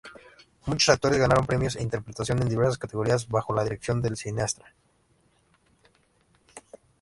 Muchos actores ganaron premios de interpretación en diversas categorías bajo la dirección del cineasta.